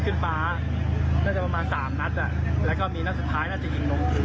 แล้วเขาเลยจอดอยู่นี่เขากลัวเขาไม่ไป